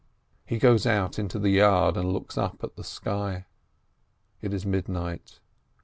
He goes out into the yard, and looks up at the sky. It is midnight.